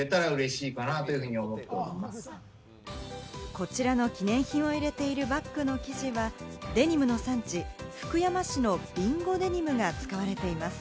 こちらの記念品を入れているバッグの生地はデニムの産地、福山市の備後デニムが使われています。